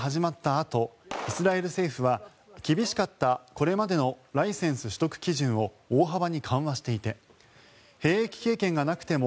あとイスラエル政府は厳しかったこれまでのライセンス取得基準を大幅に緩和していて兵役経験がなくても